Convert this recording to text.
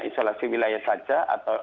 isolasi wilayah saja atau